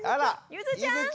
ゆづちゃん。